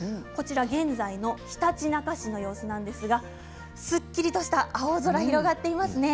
現在のひたちなか市の様子なんですがすっきりとした青空が広がっていますね。